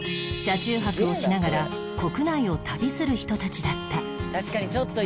車中泊をしながら国内を旅する人たちだった